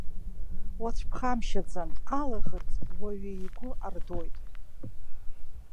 Уацәԥхамшьаӡан, алаӷырӡ уаҩы игәы ардоит.